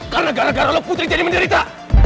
karena gara gara lu putri jadi menderita